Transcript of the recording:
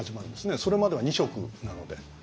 それまでは２食なので。